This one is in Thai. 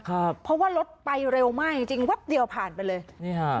ครับเพราะว่ารถไปเร็วมากจริงจริงแป๊บเดียวผ่านไปเลยนี่ฮะ